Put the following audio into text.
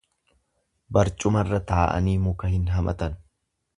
Barcumarra taa'anii muka hin hamatan.